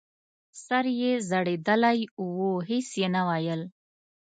سر یې ځړېدلی و هېڅ یې نه ویل !